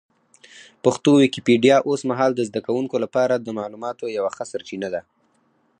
پښتو ويکيپېډيا اوس مهال د زده کوونکو لپاره د معلوماتو یوه ښه سرچینه ده.